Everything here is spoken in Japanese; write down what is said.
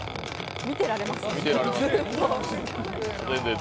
見てられます。